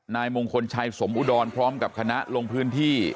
นายมงคลชัยสมอุดรพร้อมกับคณะลงพื้นที่